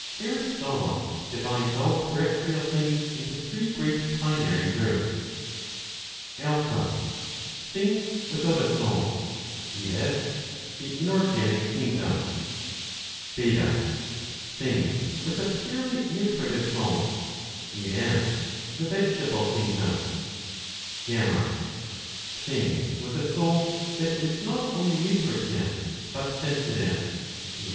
Aristotle divides all terrestrial things into three great primary groups: |^5)^i''^&s without a soul, i.e. the Inorganic kingdom lYp^things with\ > a purely nutritive soul, i.e. the Vegetable kingdom ; /Tt/ things with a I soul that is not only nutritive but sensitive, i.e.